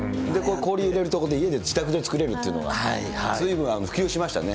氷入れると自宅で作れるというのがずいぶん普及しましたね。